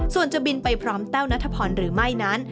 ส่วนจะบินไปพร้อมแต้วนัทพรหรือไม่นั้น